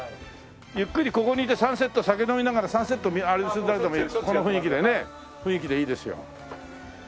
ゆっくりここにいてサンセット酒飲みながらサンセットあれするだけでもこの雰囲気でね雰囲気でいいですよ。